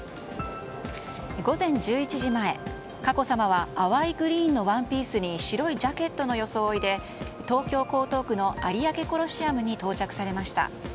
午前１１時前、佳子さまは淡いグリーンのワンピースに白いジャケットの装いで東京・江東区の有明コロシアムに到着されました。